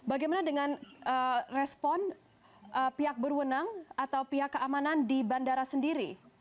bagaimana dengan respon pihak berwenang atau pihak keamanan di bandara sendiri